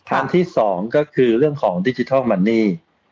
อันที่สองก็คือเรื่องของดิจิทัลมันนี่